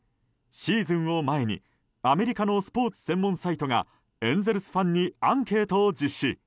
シーズンを前にアメリカのスポーツ専門サイトがエンゼルスファンにアンケートを実施。